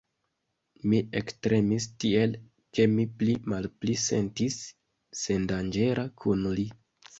Mi ektremis tiel, ke mi pli malpli sentis sendanĝera kun li.